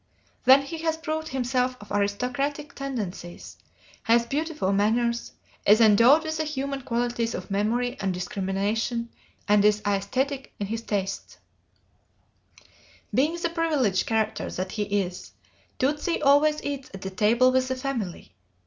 Then he has proved himself of aristocratic tendencies, has beautiful manners, is endowed with the human qualities of memory and discrimination, and is aesthetic in his tastes. Being the privileged character that he is, Tootsie always eats at the table with the family.